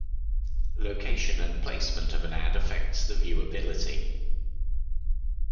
Location and placement of an ad affects the viewabilty.